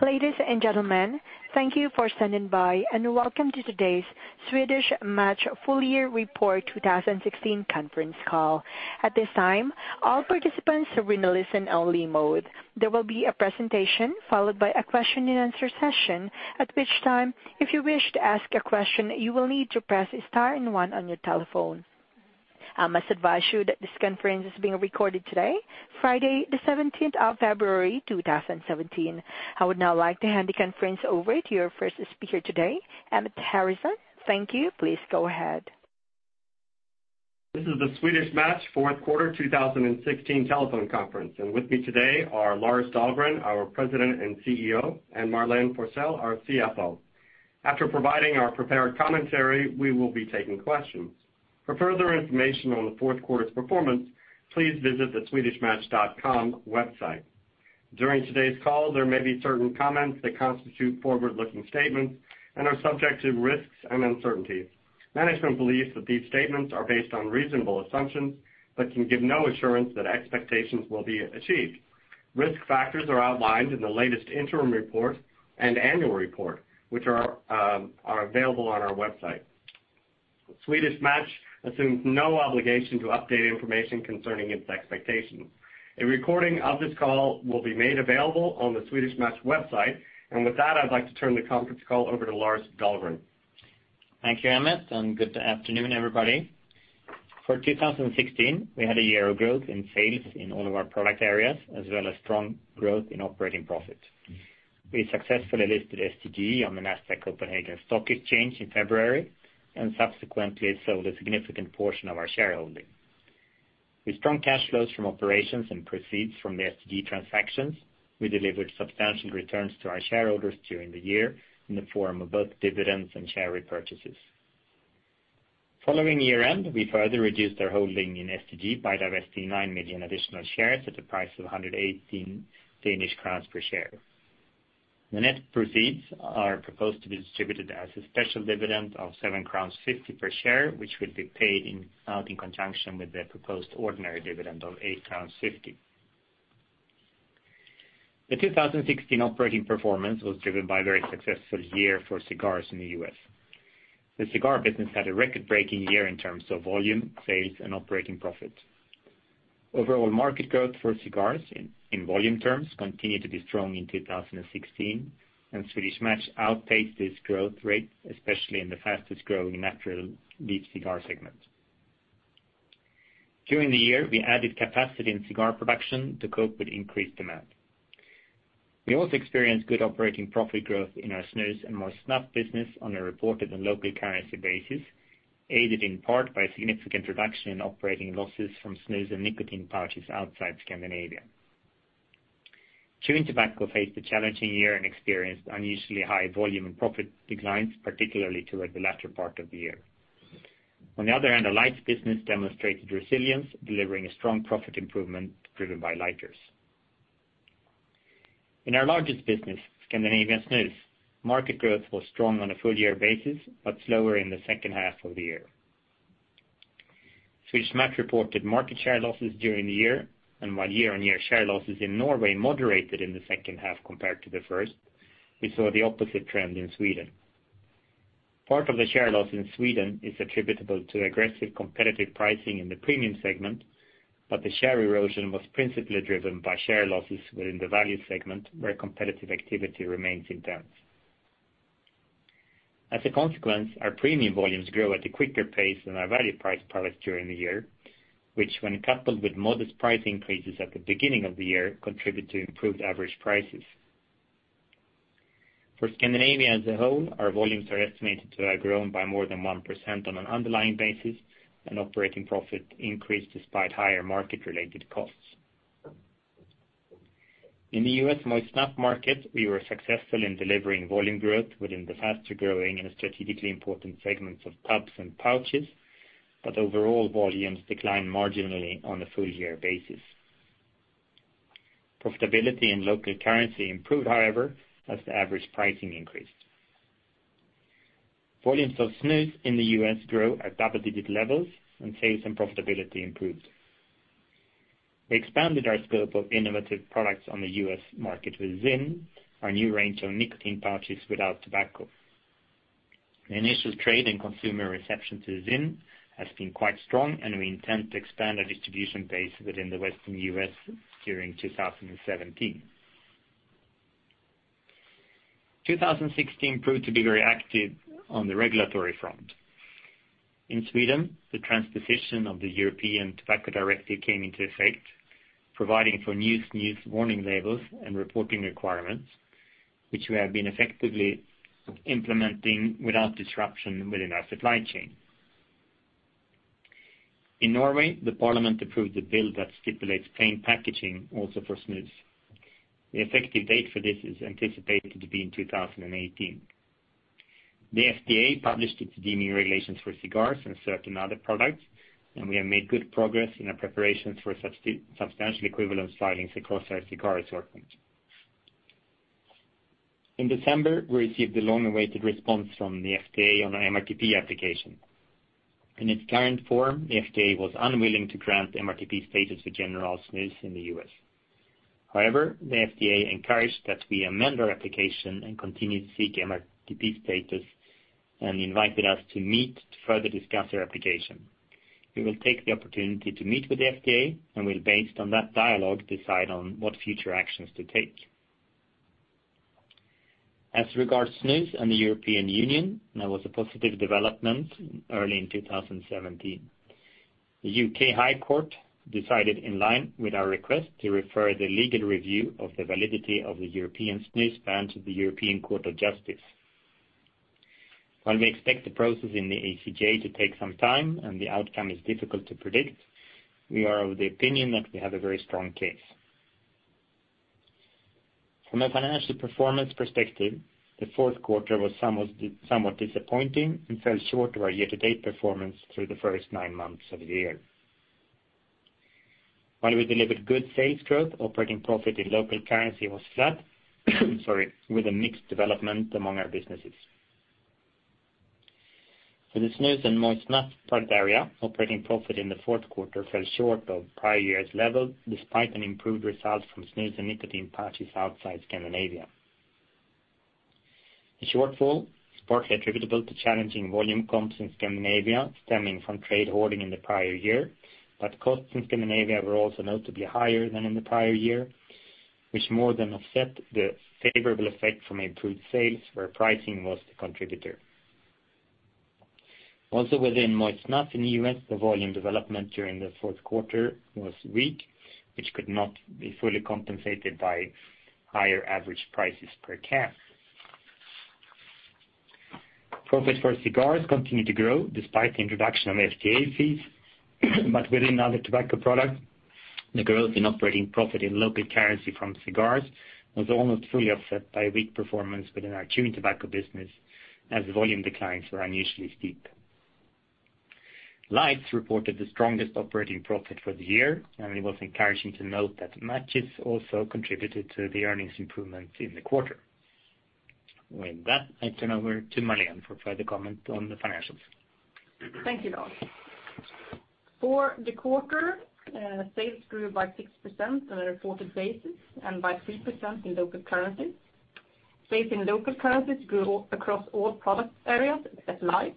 Ladies and gentlemen, thank you for standing by. Welcome to today's Swedish Match Full Year Report 2016 conference call. At this time, all participants will be in listen-only mode. There will be a presentation followed by a question and answer session. At which time, if you wish to ask a question, you will need to press star and one on your telephone. I must advise you that this conference is being recorded today, Friday the 17th of February 2017. I would now like to hand the conference over to your first speaker today, Emmett Harrison. Thank you. Please go ahead. This is the Swedish Match fourth quarter 2016 telephone conference. With me today are Lars Dahlgren, our President and CEO, and Marlene Forsell, our CFO. After providing our prepared commentary, we will be taking questions. For further information on the fourth quarter's performance, please visit the swedishmatch.com website. During today's call, there may be certain comments that constitute forward-looking statements and are subject to risks and uncertainties. Management believes that these statements are based on reasonable assumptions but can give no assurance that expectations will be achieved. Risk factors are outlined in the latest interim report and annual report, which are available on our website. Swedish Match assumes no obligation to update information concerning its expectations. A recording of this call will be made available on the Swedish Match website. With that, I'd like to turn the conference call over to Lars Dahlgren. Thank you, Emmett. Good afternoon, everybody. For 2016, we had a year of growth in sales in all of our product areas as well as strong growth in operating profit. We successfully listed STG on the Nasdaq Copenhagen in February and subsequently sold a significant portion of our shareholding. With strong cash flows from operations and proceeds from the STG transactions, we delivered substantial returns to our shareholders during the year in the form of both dividends and share repurchases. Following year-end, we further reduced our holding in STG by divesting 9 million additional shares at a price of 118 Danish crowns per share. The net proceeds are proposed to be distributed as a special dividend of 7.50 crowns per share, which will be paid in conjunction with the proposed ordinary dividend of 8.50 crowns. The 2016 operating performance was driven by a very successful year for cigars in the U.S. The cigar business had a record-breaking year in terms of volume, sales, and operating profit. Overall market growth for cigars in volume terms continued to be strong in 2016. Swedish Match outpaced this growth rate, especially in the fastest-growing natural leaf cigar segment. During the year, we added capacity in cigar production to cope with increased demand. We also experienced good operating profit growth in our snus and moist snuff business on a reported and local currency basis, aided in part by a significant reduction in operating losses from snus and nicotine pouches outside Scandinavia. Chewing tobacco faced a challenging year and experienced unusually high volume and profit declines, particularly toward the latter part of the year. On the other hand, the Lights business demonstrated resilience, delivering a strong profit improvement driven by lighters. In our largest business, Scandinavian Snus, market growth was strong on a full-year basis but slower in the second half of the year. Swedish Match reported market share losses during the year, and while year-on-year share losses in Norway moderated in the second half compared to the first, we saw the opposite trend in Sweden. Part of the share loss in Sweden is attributable to aggressive competitive pricing in the premium segment, but the share erosion was principally driven by share losses within the value segment, where competitive activity remains intense. As a consequence, our premium volumes grew at a quicker pace than our value price products during the year, which when coupled with modest price increases at the beginning of the year, contribute to improved average prices. For Scandinavia as a whole, our volumes are estimated to have grown by more than 1% on an underlying basis, and operating profit increased despite higher market-related costs. In the U.S. Moist Snuff market, we were successful in delivering volume growth within the faster-growing and strategically important segments of tubs and pouches, but overall volumes declined marginally on a full-year basis. Profitability and local currency improved, however, as the average pricing increased. Volumes of snus in the U.S. grew at double-digit levels, sales and profitability improved. We expanded our scope of innovative products on the U.S. market with ZYN, our new range of nicotine pouches without tobacco. The initial trade and consumer reception to ZYN has been quite strong, and we intend to expand our distribution base within the Western U.S. during 2017. 2016 proved to be very active on the regulatory front. In Sweden, the transposition of the European Tobacco Products Directive came into effect, providing for new snus warning labels and reporting requirements, which we have been effectively implementing without disruption within our supply chain. In Norway, the parliament approved a bill that stipulates plain packaging also for snus. The effective date for this is anticipated to be in 2018. The FDA published its Deeming Regulations for cigars and certain other products, and we have made good progress in our preparations for substantial equivalence filings across our cigar assortment. In December, we received the long-awaited response from the FDA on our MRTP application. In its current form, FDA was unwilling to grant MRTP status for General snus in the U.S. However, the FDA encouraged that we amend our application and continue to seek MRTP status and invited us to meet to further discuss our application. We will take the opportunity to meet with the FDA, and we'll, based on that dialogue, decide on what future actions to take. As regards snus and the European Union, there was a positive development early in 2017. The U.K. High Court decided in line with our request to refer the legal review of the validity of the European snus ban to the European Court of Justice. While we expect the process in the ECJ to take some time and the outcome is difficult to predict, we are of the opinion that we have a very strong case. From a financial performance perspective, the fourth quarter was somewhat disappointing and fell short of our year-to-date performance through the first nine months of the year. While we delivered good sales growth, operating profit in local currency was flat with a mixed development among our businesses. For the snus and Moist Snuff product area, operating profit in the fourth quarter fell short of prior year's level, despite an improved result from snus and nicotine pouches outside Scandinavia. The shortfall is partly attributable to challenging volume comps in Scandinavia, stemming from trade hoarding in the prior year, but costs in Scandinavia were also notably higher than in the prior year, which more than offset the favorable effect from improved sales where pricing was the contributor. Also within Moist Snuff in the U.S., the volume development during the fourth quarter was weak, which could not be fully compensated by higher average prices per can. Profit for cigars continued to grow despite the introduction of FDA fees. Within other tobacco products, the growth in operating profit in local currency from cigars was almost fully offset by weak performance within our chewing tobacco business, as volume declines were unusually steep. Lights reported the strongest operating profit for the year, and it was encouraging to note that matches also contributed to the earnings improvements in the quarter. With that, I turn over to Marlene for further comment on the financials. Thank you, Lars. For the quarter, sales grew by 6% on a reported basis and by 3% in local currency. Sales in local currencies grew across all product areas, except Lights,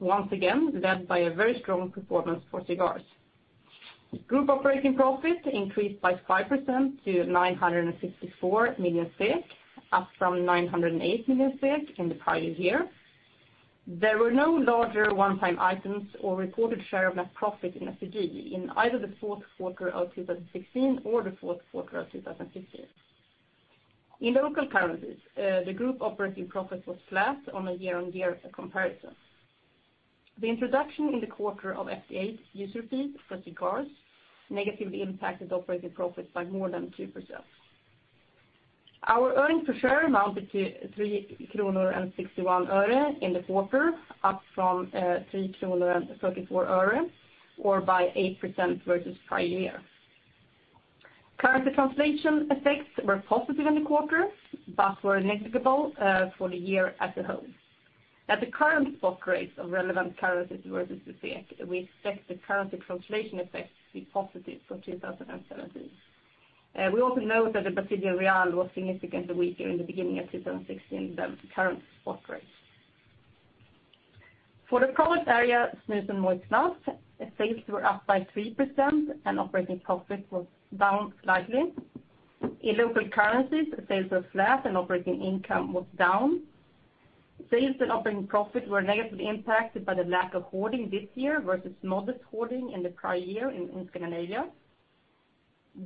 once again, led by a very strong performance for cigars. Group operating profit increased by 5% to 964 million, up from 908 million in the prior year. There were no larger one-time items or reported share of net profit in STG in either the fourth quarter of 2016 or the fourth quarter of 2015. In local currencies, the group operating profit was flat on a year-on-year comparison. The introduction in the quarter of FDA user fee for cigars negatively impacted operating profits by more than 2%. Our earnings per share amounted to 3.61 kronor in the quarter, up from 3.34 kronor or by 8% versus prior year. Currency translation effects were positive in the quarter, were negligible for the year as a whole. At the current spot rates of relevant currencies versus the SEK, we expect the currency translation effect to be positive for 2017. We also note that the Brazilian real was significantly weaker in the beginning of 2016 than the current spot rates. For the product area, snus and Moist Snuff, sales were up by 3% and operating profit was down slightly. In local currencies, sales were flat and operating income was down. Sales and operating profit were negatively impacted by the lack of hoarding this year versus modest hoarding in the prior year in Scandinavia.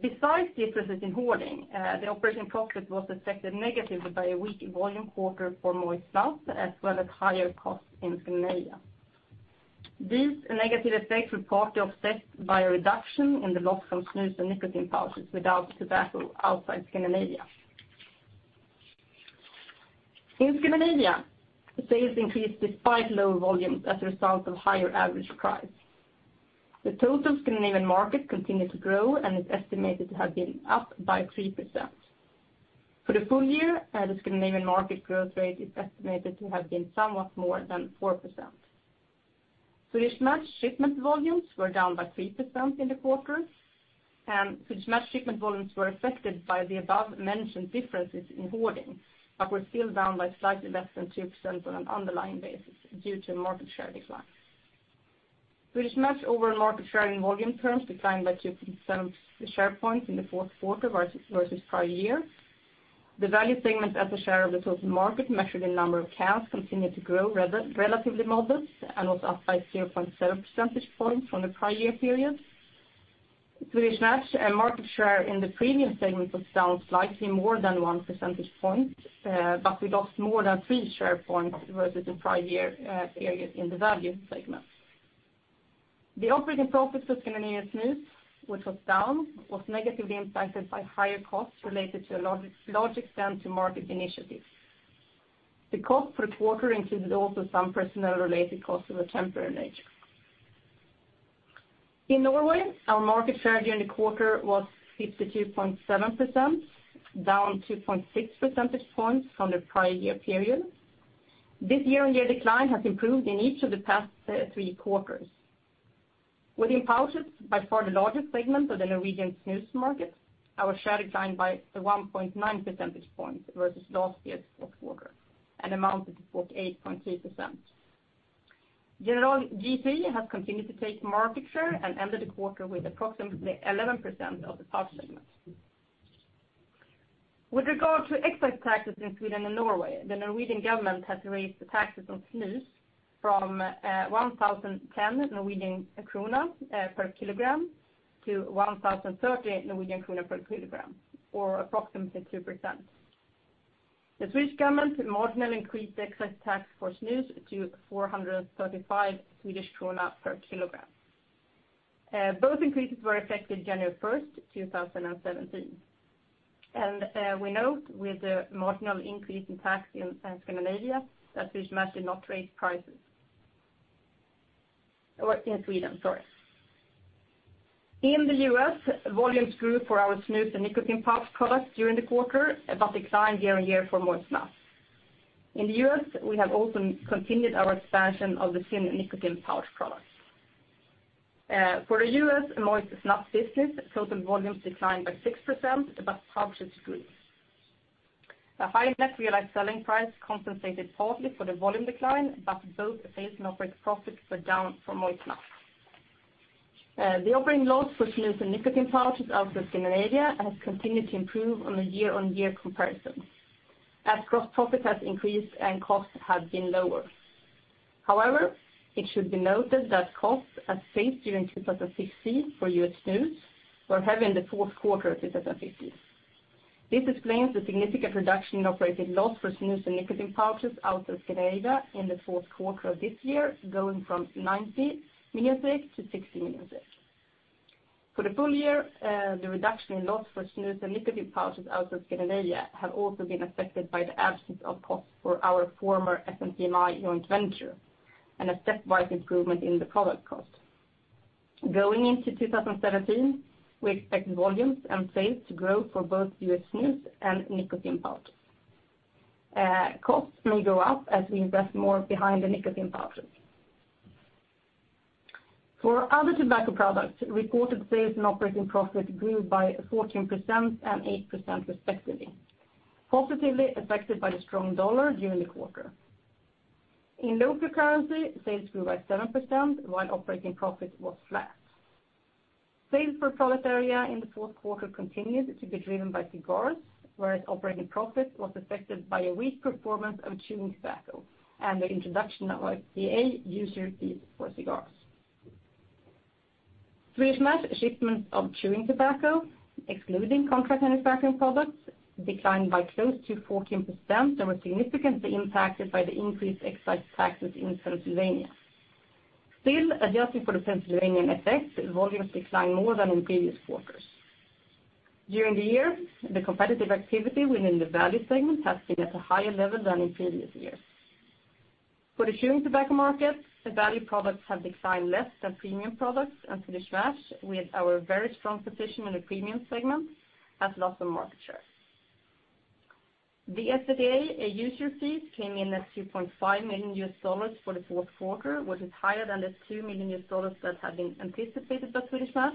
Besides the differences in hoarding, the operating profit was affected negatively by a weak volume quarter for Moist Snuff as well as higher costs in Scandinavia. These negative effects were partly offset by a reduction in the loss from snus and nicotine pouches without tobacco outside Scandinavia. In Scandinavia, sales increased despite lower volumes as a result of higher average price. The total Scandinavian market continued to grow and is estimated to have been up by 3%. For the full year, the Scandinavian market growth rate is estimated to have been somewhat more than 4%. Swedish Match shipment volumes were down by 3% in the quarter, Swedish Match shipment volumes were affected by the above-mentioned differences in hoarding but were still down by slightly less than 2% on an underlying basis due to market share decline. Swedish Match overall market share in volume terms declined by 2% share points in the fourth quarter versus prior year. The value segment as a share of the total market measured in number of cans continued to grow relatively modest and was up by 0.7 percentage points from the prior year period. Swedish Match market share in the premium segment was down slightly more than one percentage point, but we lost more than three share points versus the prior year period in the value segment. The operating profit of Scandinavian snus, which was down, was negatively impacted by higher costs related to a large extent to market initiatives. The cost per quarter included also some personnel-related costs of a temporary nature. In Norway, our market share during the quarter was 52.7%, down 2.6 percentage points from the prior year period. This year-on-year decline has improved in each of the past three quarters. Within pouches, by far the largest segment of the Norwegian snus market, our share declined by 1.9 percentage points versus last year's fourth quarter and amounted to 48.3%. General G.3 has continued to take market share and ended the quarter with approximately 11% of the pouch segment. With regard to excise taxes in Sweden and Norway, the Norwegian government has raised the taxes on snus from 1,010 Norwegian kroner per kilogram to 1,030 Norwegian kroner per kilogram, or approximately 2%. The Swedish government marginally increased the excise tax for snus to 435 Swedish krona per kilogram. Both increases were effective January 1st, 2017. We note with the marginal increase in tax in Scandinavia that Swedish Match did not raise prices. In Sweden, sorry. In the U.S., volumes grew for our snus and nicotine pouch products during the quarter, but declined year-on-year for moist snuff. In the U.S., we have also continued our expansion of the thin nicotine pouch products. For the U.S. moist snuff business, total volumes declined by 6%, but pouches grew. The high net realized selling price compensated partly for the volume decline, but both sales and operating profits were down for moist snuff. The operating loss for snus and nicotine pouches outside Scandinavia has continued to improve on a year-on-year comparison as gross profit has increased and costs have been lower. However, it should be noted that costs at sales during 2016 for U.S. snus were heavy in the fourth quarter of 2016. This explains the significant reduction in operating loss for snus and nicotine pouches outside Scandinavia in the fourth quarter of this year, going from 90 million to 60 million. For the full year, the reduction in loss for snus and nicotine pouches outside Scandinavia have also been affected by the absence of costs for our former S&PMI joint venture and a stepwise improvement in the product cost. Going into 2017, we expect volumes and sales to grow for both U.S. snus and nicotine pouches. Costs may go up as we invest more behind the nicotine pouches. For other tobacco products, reported sales and operating profit grew by 14% and 8% respectively, positively affected by the strong U.S. dollar during the quarter. In local currency, sales grew by 7%, while operating profit was flat. Sales for product area in the fourth quarter continued to be driven by cigars, whereas operating profit was affected by a weak performance of chewing tobacco and the introduction of FDA user fees for cigars. Swedish Match shipments of chewing tobacco, excluding contract manufacturing products, declined by close to 14% and were significantly impacted by the increased excise taxes in Pennsylvania. Still, adjusting for the Pennsylvanian effect, volumes declined more than in previous quarters. During the year, the competitive activity within the value segment has been at a higher level than in previous years. For the chewing tobacco market, the value products have declined less than premium products and Swedish Match, with our very strong position in the premium segment, has lost some market share. The FDA user fees came in at $2.5 million for the fourth quarter, which is higher than the $2 million that had been anticipated by Swedish Match.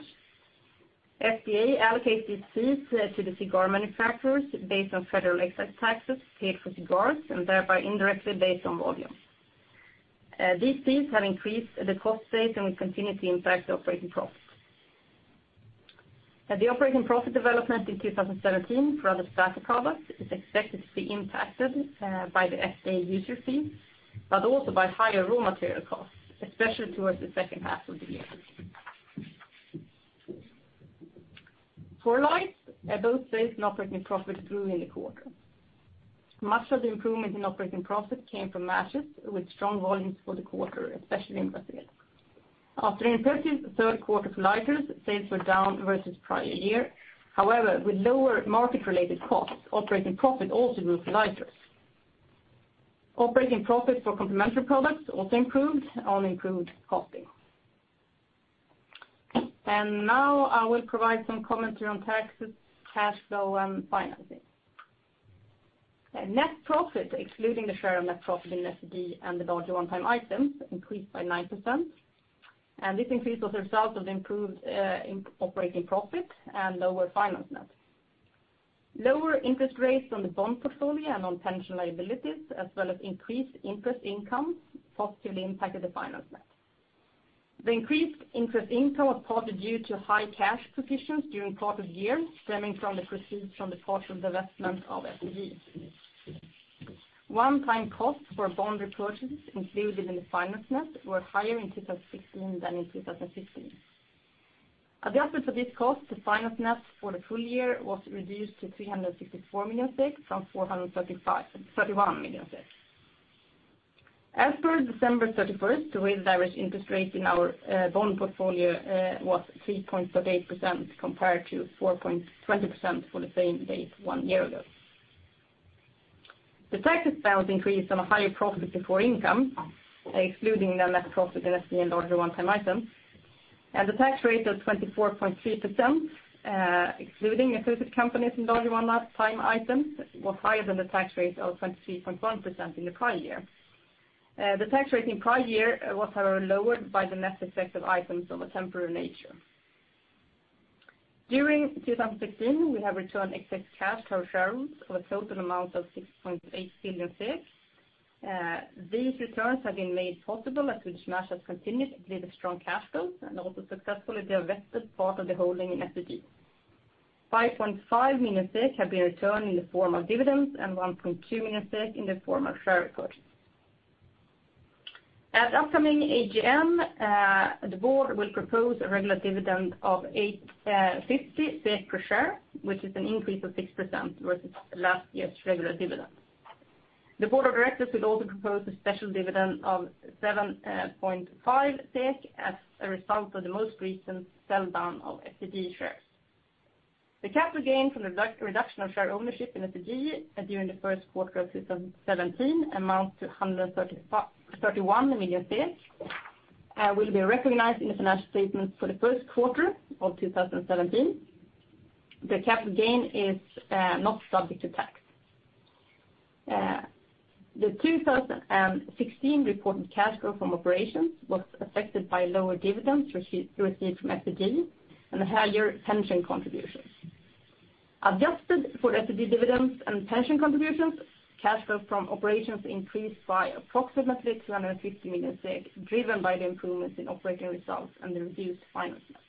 FDA allocates these fees to the cigar manufacturers based on federal excise taxes paid for cigars and thereby indirectly based on volume. These fees have increased the cost base and will continue to impact the operating profit. The operating profit development in 2017 for other tobacco products is expected to be impacted by the FDA user fee, but also by higher raw material costs, especially towards the second half of the year. For lights, both sales and operating profit grew in the quarter. Much of the improvement in operating profit came from matches with strong volumes for the quarter, especially in Brazil. After an impressive third quarter for lighters, sales were down versus prior year. However, with lower market-related costs, operating profit also grew for lighters. Operating profit for complementary products also improved on improved costing. Now I will provide some commentary on taxes, cash flow, and financing. Net profit, excluding the share of net profit in STG and the larger one-time items, increased by 9%, and this increase was a result of improved operating profit and lower finance net. Lower interest rates on the bond portfolio and on pension liabilities, as well as increased interest income, positively impacted the finance net. The increased interest income was partly due to high cash positions during part of the year, stemming from the proceeds from the partial divestment of STG. One-time costs for bond repurchase included in the finance net were higher in 2016 than in 2015. Adjusted for this cost, the finance net for the full year was reduced to 364 million from 431 million. As per December 31st, the weighted average interest rate in our bond portfolio was 3.38% compared to 4.20% for the same date one year ago. The tax expense increased on a higher profit before income, excluding the net profit in STG and other one-time items. The tax rate of 24.3%, excluding associated companies and larger one-time items, was higher than the tax rate of 23.1% in the prior year. The tax rate in prior year was, however, lowered by the net effect of items of a temporary nature. During 2016, we have returned excess cash to our shareholders of a total amount of 6.8 billion. These returns have been made possible as Swedish Match has continued to deliver strong cash flows and also successfully divested part of the holding in FFG. 5.5 million have been returned in the form of dividends and 1.2 million in the form of share repurchases. At upcoming AGM, the board will propose a regular dividend of 8.50 per share, which is an increase of 6% versus last year's regular dividend. The board of directors will also propose a special dividend of 7.5 SEK as a result of the most recent sell-down of FFG shares. The capital gain from the reduction of share ownership in FFG during the first quarter of 2017 amounts to 131 million and will be recognized in the financial statements for the first quarter of 2017. The capital gain is not subject to tax. The 2016 reported cash flow from operations was affected by lower dividends received from FFG and higher pension contributions. Adjusted for FFG dividends and pension contributions, cash flow from operations increased by approximately 250 million, driven by the improvements in operating results and the reduced finance net.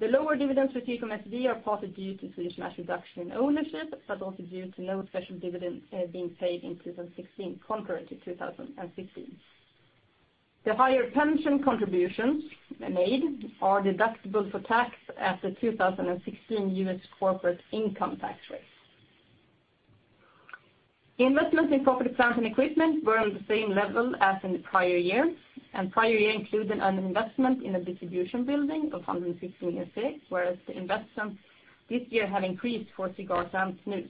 The lower dividends received from FFG are partly due to Swedish Match's reduction in ownership, but also due to no special dividends being paid in 2016 compared to 2015. The higher pension contributions made are deductible for tax at the 2016 U.S. corporate income tax rate. Investments in property, plant, and equipment were on the same level as in the prior year, and prior year included an investment in a distribution building of 116 million, whereas the investments this year have increased for cigars and snus.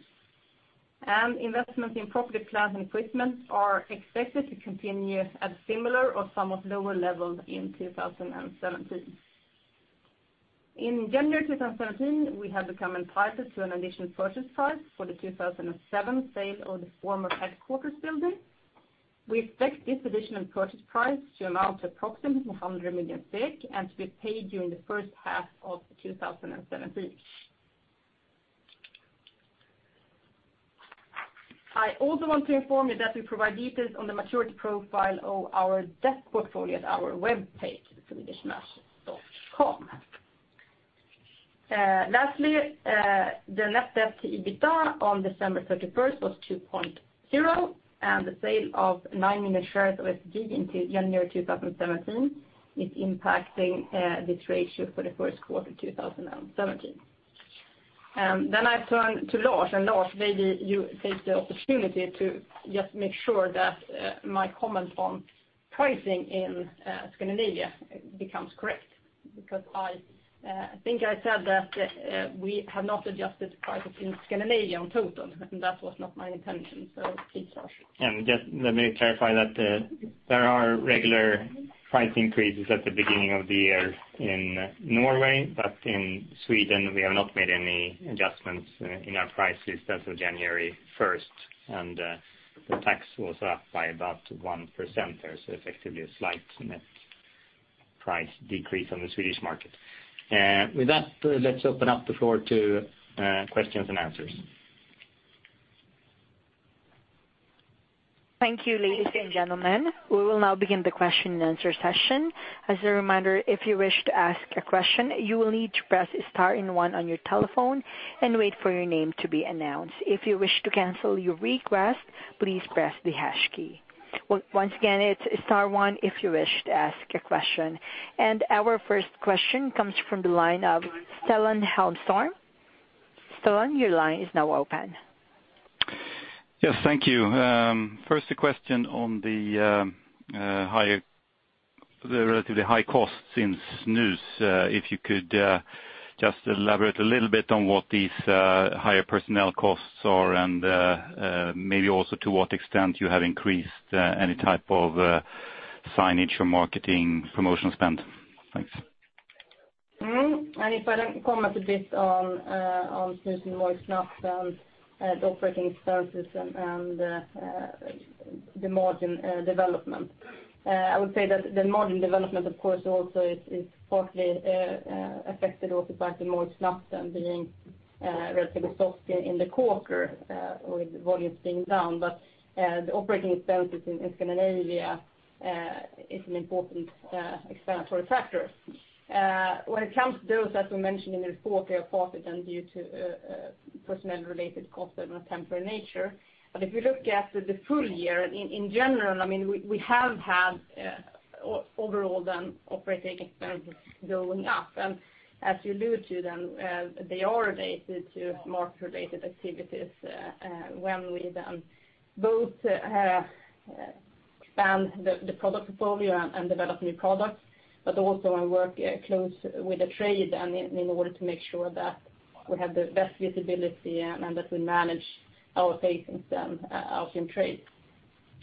Investments in property, plant, and equipment are expected to continue at similar or somewhat lower levels in 2017. In January 2017, we have become entitled to an additional purchase price for the 2007 sale of the former headquarters building. We expect this additional purchase price to amount to approximately 100 million and to be paid during the first half of 2017. I also want to inform you that we provide details on the maturity profile of our debt portfolio at our webpage, swedishmatch.com. Lastly, the net debt to EBITDA on December 31st was 2.0. The sale of 9 million shares of STG in January 2017 is impacting this ratio for the first quarter of 2017. I turn to Lars, maybe you take the opportunity to just make sure that my comment on pricing in Scandinavia becomes correct, because I think I said that we have not adjusted prices in Scandinavia on total, and that was not my intention. Please, Lars. Just let me clarify that there are regular price increases at the beginning of the year in Norway, but in Sweden, we have not made any adjustments in our prices as of January 1st. The tax was up by about 1% there, so effectively a slight net price decrease on the Swedish market. With that, let's open up the floor to questions and answers. Thank you, ladies and gentlemen. We will now begin the question and answer session. As a reminder, if you wish to ask a question, you will need to press star and one on your telephone and wait for your name to be announced. If you wish to cancel your request, please press the hash key. Once again, it's star one if you wish to ask a question. Our first question comes from the line of Stellan Holmström. Stellan, your line is now open. Yes, thank you. First, a question on the relatively high costs in snus. If you could just elaborate a little bit on what these higher personnel costs are and maybe also to what extent you have increased any type of signage or marketing promotional spend. Thanks. If I then comment a bit on snus in Moist Snuff and the operating expenses and the margin development. I would say that the margin development, of course, also is partly affected also by Moist Snuff and being relatively soft in the quarter with volumes being down. The operating expenses in Scandinavia is an important explanatory factor. When it comes to those, as we mentioned in the report, they are partly then due to personnel-related costs of a temporary nature. If you look at the full year, in general, we have had overall operating expenses going up. As you allude to, they are related to market-related activities when we then both expand the product portfolio and develop new products, but also I work close with the trade in order to make sure that we have the best visibility and that we manage our facings out in trade.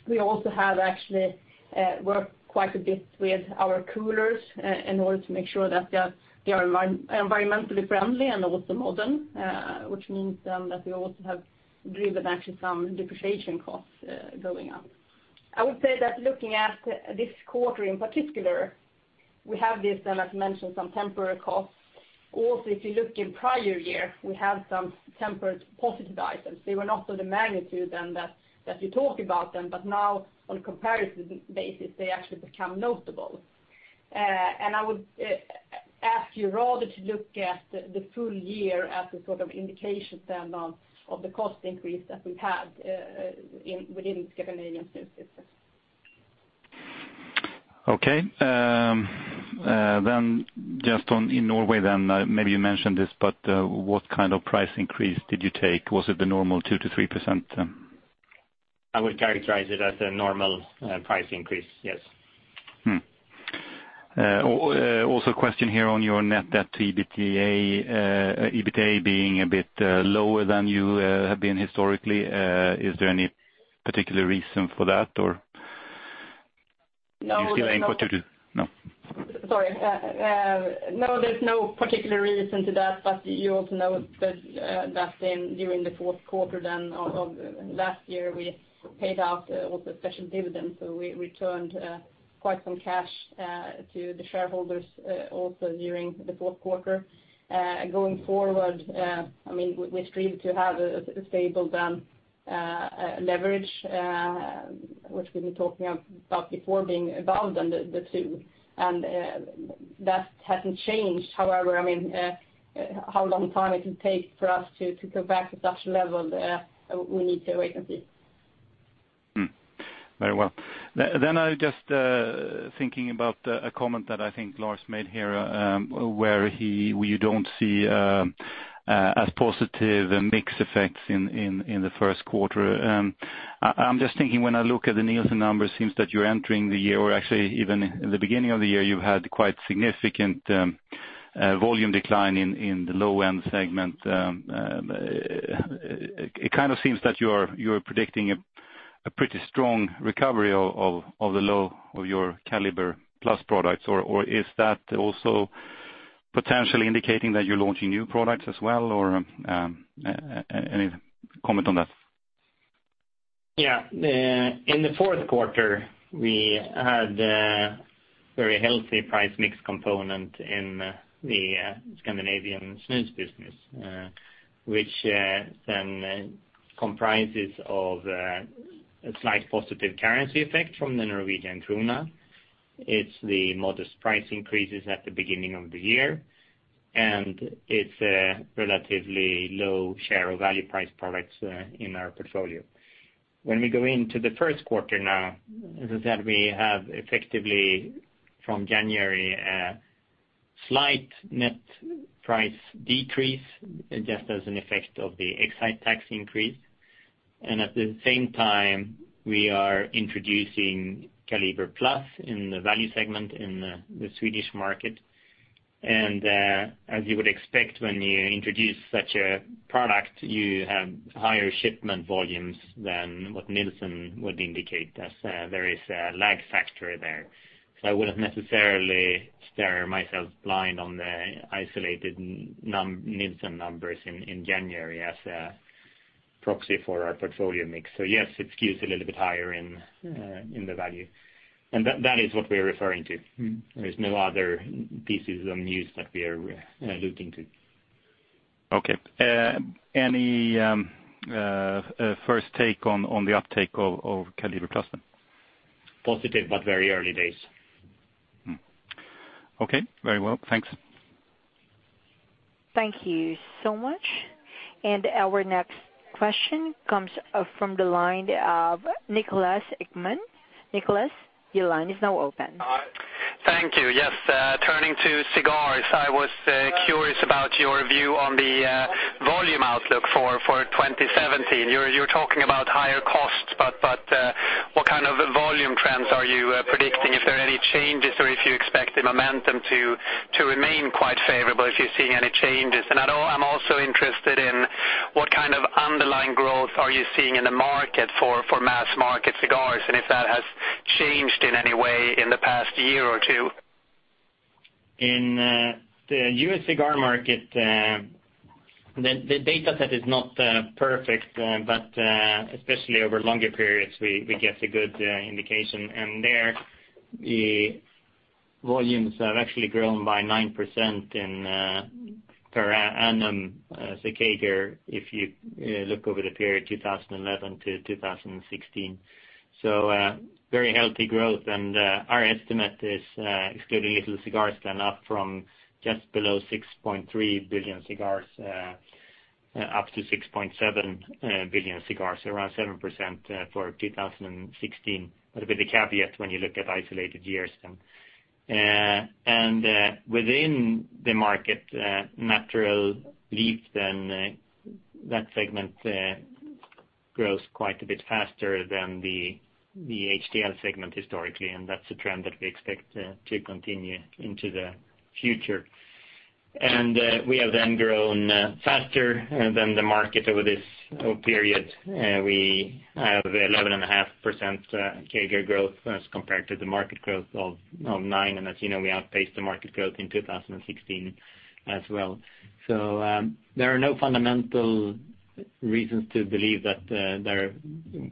We also have actually worked quite a bit with our coolers in order to make sure that they are environmentally friendly and also modern, which means then that we also have driven actually some depreciation costs going up. I would say that looking at this quarter in particular, we have this, as mentioned, some temporary costs. Also, if you look in prior year, we have some temporary positive items. They were not of the magnitude that you talk about them, but now on a comparison basis, they actually become notable. I would ask you rather to look at the full year as a sort of indication of the cost increase that we've had within Scandinavian Snus business. Okay. Just on in Norway then, maybe you mentioned this, what kind of price increase did you take? Was it the normal 2%-3%? I would characterize it as a normal price increase, yes. A question here on your net debt to EBITDA being a bit lower than you have been historically. Is there any particular reason for that, or- No. You still aim for two. No. Sorry. No, there's no particular reason to that, you also know that during the fourth quarter then of last year, we paid out also special dividends. We returned quite some cash to the shareholders also during the fourth quarter. Going forward, we strive to have a stable then leverage, which we've been talking about before being about the two, and that hasn't changed. How long time it will take for us to go back to that level, we need to wait and see. Very well. I just thinking about a comment that I think Lars made here, where you don't see as positive mix effects in the first quarter. I'm just thinking when I look at the Nielsen numbers, seems that you're entering the year, or actually even in the beginning of the year, you've had quite significant volume decline in the low-end segment. It kind of seems that you're predicting a pretty strong recovery of the low of your Kaliber+ products, or is that also potentially indicating that you're launching new products as well? Any comment on that? In the fourth quarter, we had a very healthy price mix component in the Scandinavian snus business, which comprises of a slight positive currency effect from the Norwegian krone. It's the modest price increases at the beginning of the year. It's a relatively low share of value price products in our portfolio. When we go into the first quarter now, as I said, we have effectively from January a slight net price decrease, just as an effect of the excise tax increase. At the same time, we are introducing Kaliber+ in the value segment in the Swedish market. As you would expect when you introduce such a product, you have higher shipment volumes than what Nielsen would indicate, as there is a lag factor there. I wouldn't necessarily stare myself blind on the isolated Nielsen numbers in January as a proxy for our portfolio mix. Yes, it skews a little bit higher in the value. That is what we're referring to. There is no other pieces of news that we are alluding to. Any first take on the uptake of Kaliber+ then? Positive. Very early days. Okay. Very well, thanks. Thank you so much. Our next question comes from the line of Niklas Ekman. Niklas, your line is now open. Hi. Thank you. Yes, turning to cigars, I was curious about your view on the volume outlook for 2017. You're talking about higher costs, what kind of volume trends are you predicting? Is there any changes or if you expect the momentum to remain quite favorable, if you're seeing any changes? I'm also interested in what kind of underlying growth are you seeing in the market for mass market cigars, and if that has changed in any way in the past year or two? In the U.S. cigar market, the data set is not perfect, especially over longer periods, we get a good indication. There, the volumes have actually grown by 9% in per annum CAGR, if you look over the period 2011 to 2016. Very healthy growth. Our estimate is, excluding little cigars, up from just below 6.3 billion cigars up to 6.7 billion cigars, around 7% for 2016. With a caveat when you look at isolated years then. Within the market, natural leaf, that segment grows quite a bit faster than the HTL segment historically, and that's a trend that we expect to continue into the future. We have then grown faster than the market over this whole period. We have 11.5% CAGR growth as compared to the market growth of nine. As you know, we outpaced the market growth in 2016 as well. There are no fundamental reasons to believe that there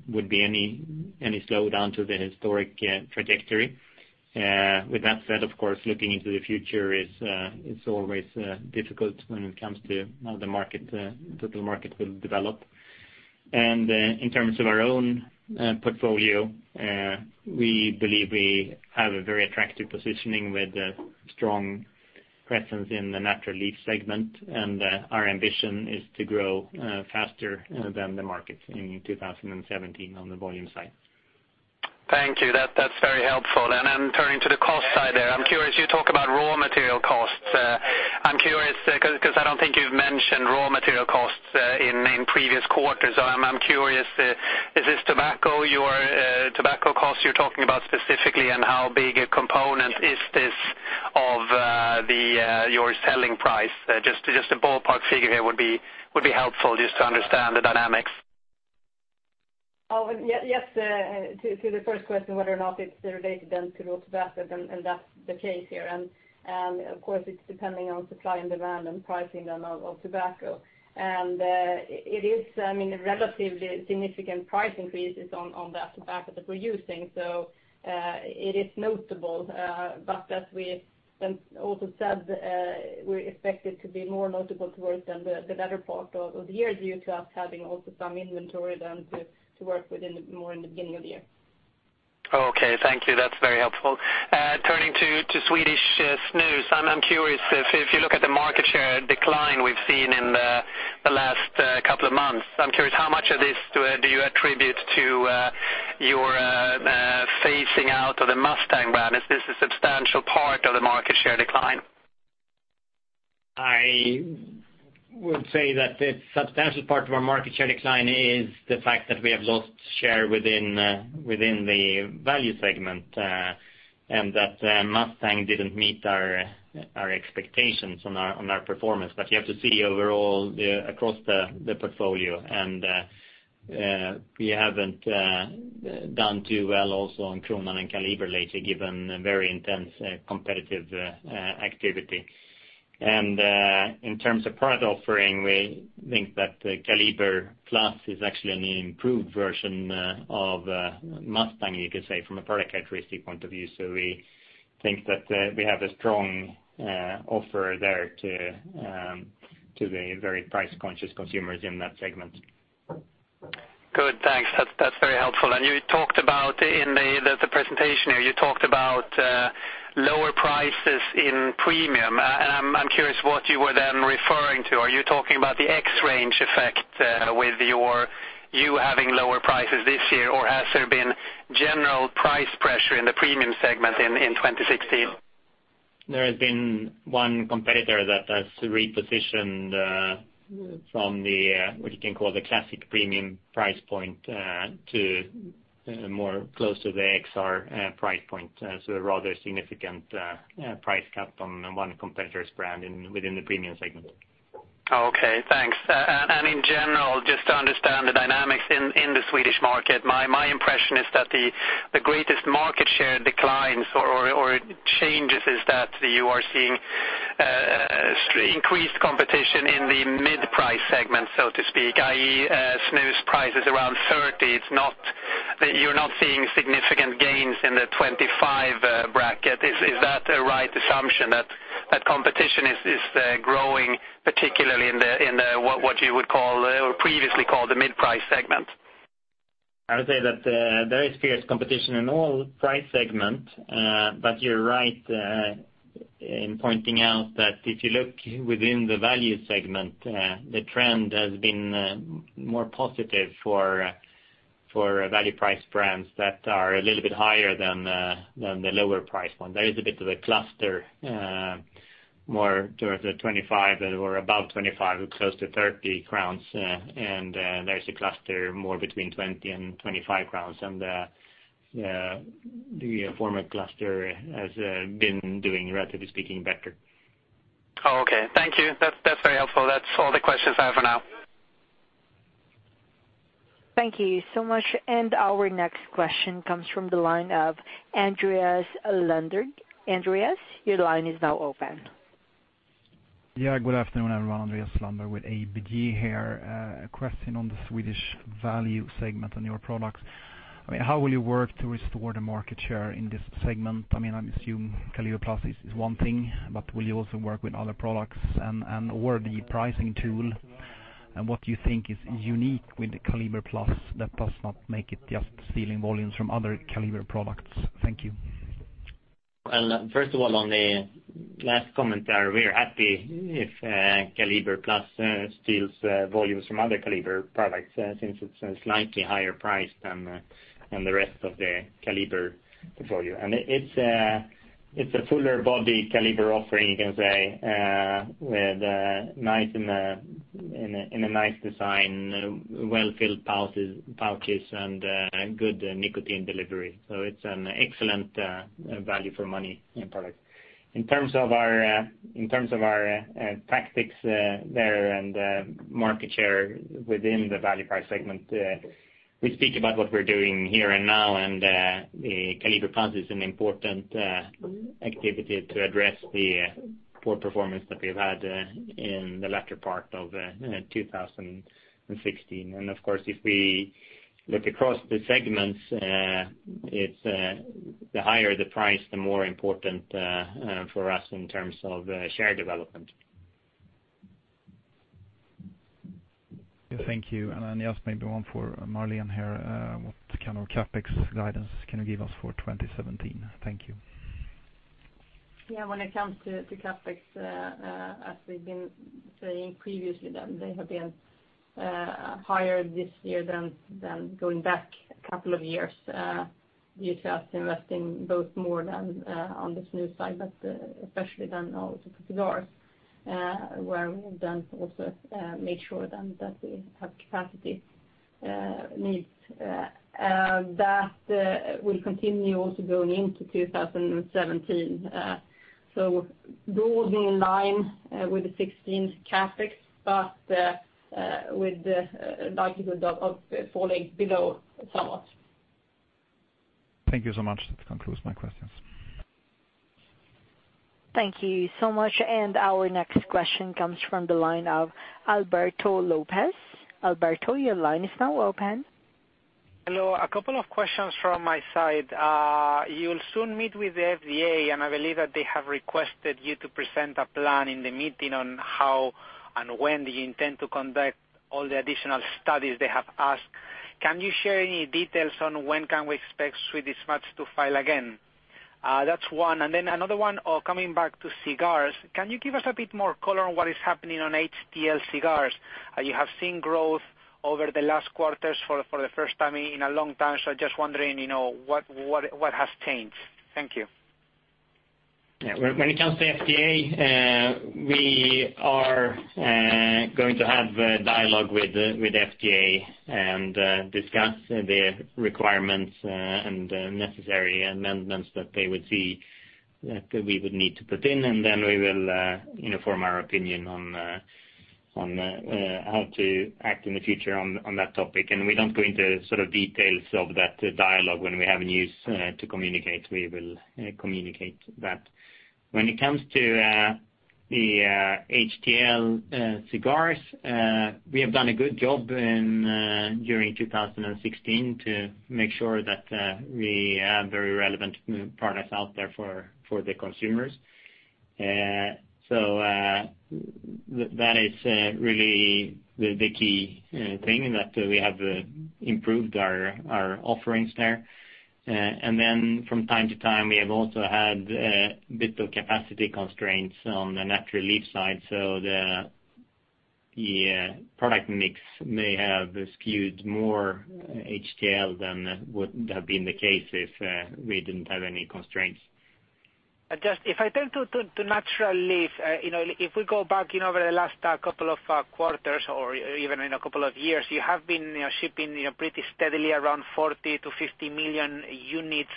would be any slowdown to the historic trajectory. With that said, of course, looking into the future is always difficult when it comes to how the total market will develop. In terms of our own portfolio, we believe we have a very attractive positioning with a strong presence in the natural leaf segment, and our ambition is to grow faster than the market in 2017 on the volume side. Thank you. That's very helpful. Turning to the cost side there, I'm curious, you talk about raw material costs. I'm curious because I don't think you've mentioned raw material costs in previous quarters. I'm curious, is this tobacco costs you're talking about specifically, and how big a component is this of your selling price? Just a ballpark figure here would be helpful just to understand the dynamics. Oh, yes. To the first question, whether or not it's related then to raw tobacco, and that's the case here. Of course, it's depending on supply and demand and pricing of tobacco. It is a relatively significant price increases on the tobacco that we're using, so it is notable. As we also said, we expect it to be more notable towards the latter part of the year due to us having also some inventory then to work with more in the beginning of the year. Okay, thank you. That's very helpful. Turning to Swedish snus, I'm curious if you look at the market share decline we've seen in the last couple of months, I'm curious how much of this do you attribute to your phasing out of the Mustang brand? Is this a substantial part of the market share decline? I would say that the substantial part of our market share decline is the fact that we have lost share within the value segment, and that Mustang didn't meet our expectations on our performance. You have to see overall across the portfolio, we haven't done too well also on Kronan and Kaliber lately, given very intense competitive activity. In terms of product offering, we think that Kaliber+ is actually an improved version of Mustang, you could say, from a product characteristic point of view. We think that we have a strong offer there to the very price-conscious consumers in that segment. Good, thanks. That's very helpful. You talked about in the presentation here, you talked about lower prices in premium, I'm curious what you were then referring to. Are you talking about the XRANGE effect with you having lower prices this year, or has there been general price pressure in the premium segment in 2016? There has been one competitor that has repositioned from the, what you can call the classic premium price point to more close to the XR price point. A rather significant price cut on one competitor's brand within the premium segment. Okay, thanks. In general, just to understand the dynamics in the Swedish market, my impression is that the greatest market share declines or changes is that you are seeing increased competition in the mid-price segment, so to speak, i.e., snus prices around 30. You're not seeing significant gains in the 25 bracket. Is that a right assumption that competition is growing, particularly in the, what you would call or previously called the mid-price segment? I would say that there is fierce competition in all price segment. You're right in pointing out that if you look within the value segment, the trend has been more positive for value price brands that are a little bit higher than the lower priced ones. There is a bit of a cluster, more towards the 25 or above 25, close to 30 crowns, and there's a cluster more between 20 and 25 crowns. The former cluster has been doing, relatively speaking, better. Okay, thank you. That's very helpful. That's all the questions I have for now. Thank you so much. Our next question comes from the line of Andreas Lundberg. Andreas, your line is now open. Good afternoon, everyone. Andreas Lundberg with ABG here. A question on the Swedish value segment on your products. How will you work to restore the market share in this segment? I assume Kaliber+ is one thing, but will you also work with other products and/or the pricing tool? What do you think is unique with the Kaliber+ that does not make it just stealing volumes from other Kaliber products? Thank you. Well, first of all, last comment there, we are happy if Kaliber+ steals volumes from other Kaliber products, since it's slightly higher priced than the rest of the Kaliber volume. It's a fuller body Kaliber offering, you can say, with in a nice design, well-filled pouches, and good nicotine delivery. It's an excellent value for money end product. In terms of our tactics there and market share within the value price segment, we speak about what we're doing here and now, and the Kaliber+ is an important activity to address the poor performance that we've had in the latter part of 2016. Of course, if we look across the segments, the higher the price, the more important for us in terms of share development. Thank you. Just maybe one for Marlene here. What kind of CapEx guidance can you give us for 2017? Thank you. Yeah, when it comes to CapEx, as we've been saying previously, they have been higher this year than going back a couple of years due to us investing both more on the snus side, but especially then now to cigars, where we have then also made sure then that we have capacity needs. That will continue also going into 2017. Broadly in line with the 2016 CapEx, but with the likelihood of falling below somewhat. Thank you so much. That concludes my questions. Thank you so much. Our next question comes from the line of Alberto Lopez. Alberto, your line is now open. Hello. A couple of questions from my side. You will soon meet with the FDA, and I believe that they have requested you to present a plan in the meeting on how and when do you intend to conduct all the additional studies they have asked. Can you share any details on when can we expect Swedish Match to file again? That is one. Another one, coming back to cigars, can you give us a bit more color on what is happening on HTL cigars? You have seen growth over the last quarters for the first time in a long time. Just wondering what has changed. Thank you. When it comes to FDA, we are going to have a dialogue with FDA and discuss the requirements and necessary amendments that they would see that we would need to put in, then we will inform our opinion on how to act in the future on that topic. We do not go into sort of details of that dialogue. When we have news to communicate, we will communicate that. When it comes to the HTL cigars, we have done a good job during 2016 to make sure that we have very relevant new products out there for the consumers. That is really the key thing, that we have improved our offerings there. From time to time, we have also had a bit of capacity constraints on the natural leaf side. The product mix may have skewed more HTL than would have been the case if we did not have any constraints. If I turn to natural leaf, if we go back over the last couple of quarters or even in a couple of years, you have been shipping pretty steadily around 40 million-50 million units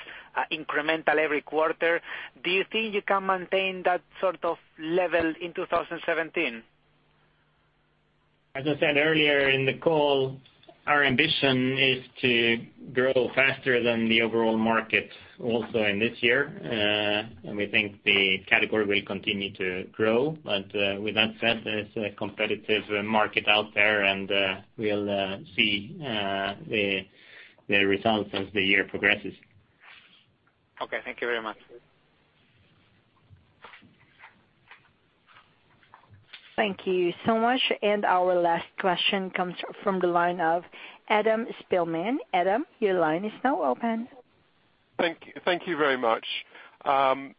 incremental every quarter. Do you think you can maintain that sort of level in 2017? As I said earlier in the call, our ambition is to grow faster than the overall market also in this year. We think the category will continue to grow. With that said, it's a competitive market out there, we'll see the results as the year progresses. Okay. Thank you very much. Thank you so much. Our last question comes from the line of Adam Spielman. Adam, your line is now open. Thank you very much. My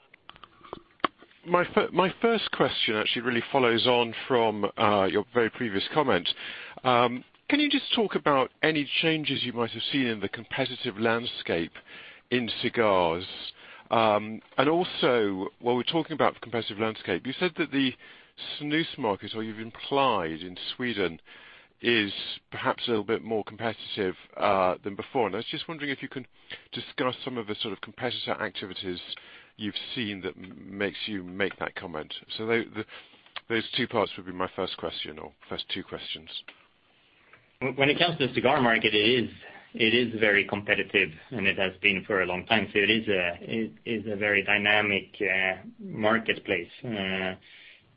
first question actually really follows on from your very previous comment. Can you just talk about any changes you might have seen in the competitive landscape in cigars? Also, while we're talking about the competitive landscape, you said that the snus market, or you've implied in Sweden, is perhaps a little bit more competitive than before. I was just wondering if you can discuss some of the sort of competitor activities you've seen that makes you make that comment. Those two parts would be my first question or first two questions. When it comes to the cigar market, it is very competitive, and it has been for a long time. It is a very dynamic marketplace.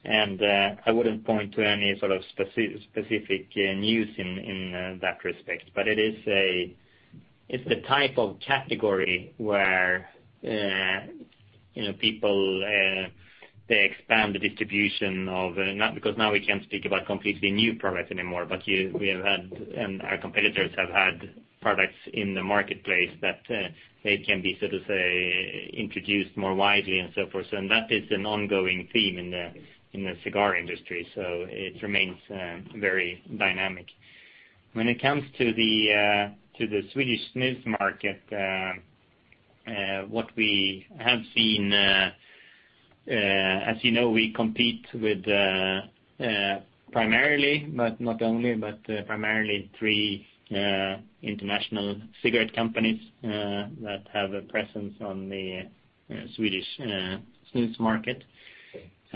I wouldn't point to any sort of specific news in that respect. It's the type of category where People, they expand the distribution of, not because now we can't speak about completely new products anymore, but we have had, and our competitors have had products in the marketplace that they can be, so to say, introduced more widely and so forth. That is an ongoing theme in the cigar industry. It remains very dynamic. When it comes to the Swedish snus market, what we have seen, as you know, we compete with, primarily, but not only, but primarily three international cigarette companies that have a presence on the Swedish snus market.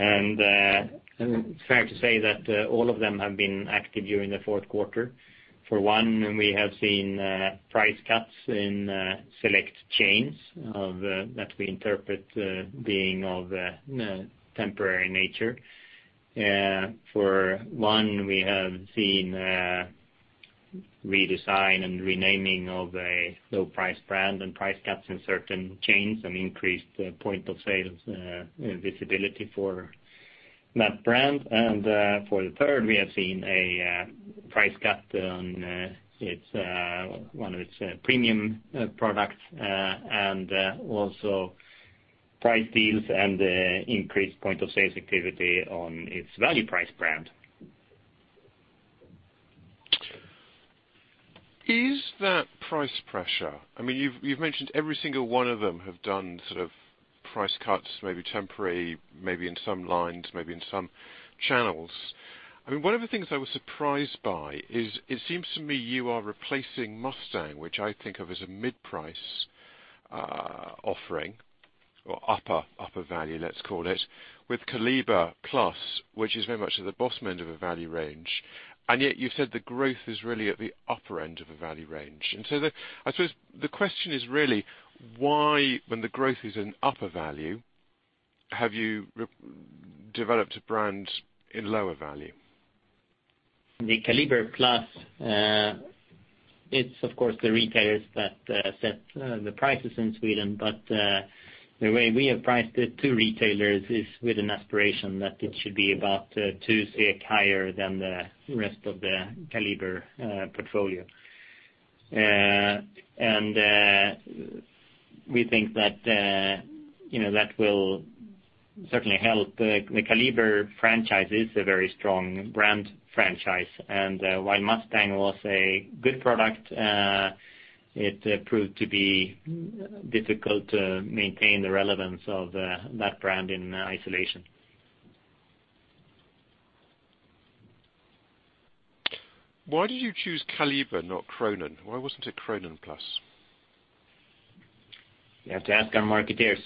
It's fair to say that all of them have been active during the fourth quarter. For one, we have seen price cuts in select chains of, that we interpret being of temporary nature. For one, we have seen a redesign and renaming of a low price brand and price cuts in certain chains and increased point of sales visibility for that brand. For the third, we have seen a price cut on one of its premium products, and also price deals and increased point of sales activity on its value price brand. Is that price pressure? You've mentioned every single one of them have done sort of price cuts, maybe temporary, maybe in some lines, maybe in some channels. One of the things I was surprised by is it seems to me you are replacing Mustang, which I think of as a mid-price offering or upper value, let's call it, with Kaliber+, which is very much at the bottom end of a value range. You've said the growth is really at the upper end of a value range. I suppose the question is really why, when the growth is in upper value, have you developed a brand in lower value? The Kaliber+, it's of course the retailers that set the prices in Sweden, but the way we have priced it to retailers is with an aspiration that it should be about 2 SEK higher than the rest of the Kaliber portfolio. We think that will certainly help. The Kaliber franchise is a very strong brand franchise. While Mustang was a good product, it proved to be difficult to maintain the relevance of that brand in isolation. Why did you choose Kaliber, not Kronan? Why wasn't it Kronan Plus? You have to ask our marketeers.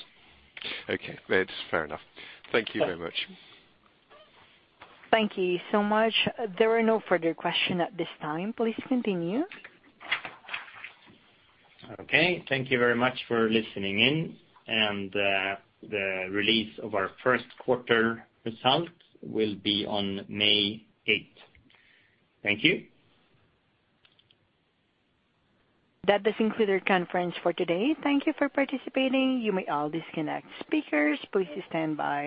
Okay. That's fair enough. Thank you very much. Thank you so much. There are no further questions at this time. Please continue. Okay. Thank you very much for listening in. The release of our first quarter results will be on May 8th. Thank you. That does conclude our conference for today. Thank you for participating. You may all disconnect. Speakers, please stand by.